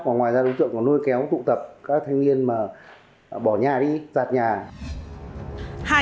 còn ngoài ra đối tượng còn nuôi kéo tụ tập các thanh niên mà bỏ nhà đi giặt nhà